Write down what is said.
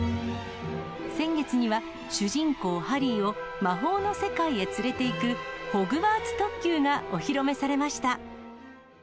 先月には主人公、ハリーを魔法の世界へ連れていく、ホグワーツ特急がお披露目されました。